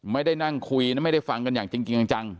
ไม่ได้นั่งคุยนะไม่ได้ฟังกันอย่างจริงจัง